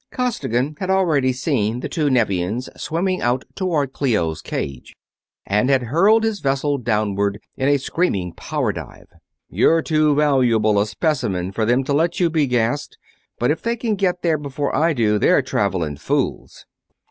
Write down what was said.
Costigan had already seen the two Nevians swimming out toward Clio's cage, and had hurled his vessel downward in a screaming power dive. "You're too valuable a specimen for them to let you be gassed, but if they can get there before I do they're traveling fools!"